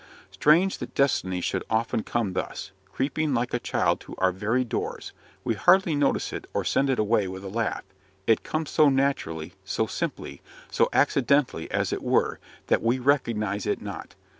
Strange that Destiny should often come thus, creeping like a child to our very doors; we hardly notice it, or send it away with a laugh; it comes so naturally, so simply, so accidentally, as it were, that we recognise it not.